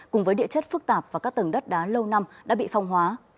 cùng với địa chất phức tạp và các tầng đất đá lâu năm đã bị phong hóa